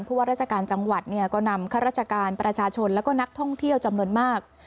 เพราะว่าราชการจังหวัดเนี่ยก็นำข้าราชการประชาชนแล้วก็นักท่องเที่ยวจำนวนมาก